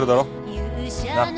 なっ。